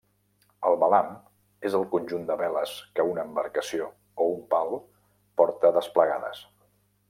El velam és al conjunt de veles que una embarcació o un pal porta desplegades.